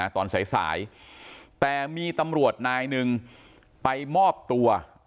ตอนสายแต่มีตำรวจนายหนึ่งไปมอบตัว